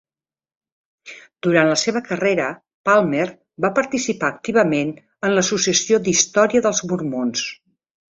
Durant la seva carrera, Palmer va participar activament en l'Associació d'Història dels Mormons.